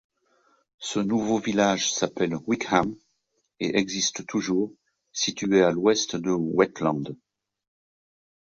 Ce nouveau village s'appelle Wickham et existe toujours, situé à l'ouest de Wheatland.